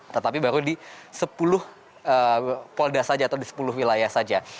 tetapi baru di sepuluh polda saja atau di sepuluh wilayah saja